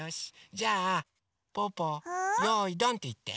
じゃあぽぅぽ「よいどん」っていって。